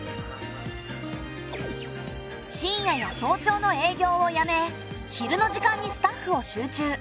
深夜や早朝の営業をやめ昼の時間にスタッフを集中。